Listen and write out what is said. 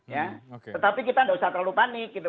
ya tetapi kita nggak usah terlalu panik gitu